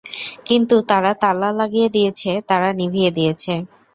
কিন্তু তারা তালা লাগিয়ে দিয়েছে, তারা নিভিয়ে দিয়েছে।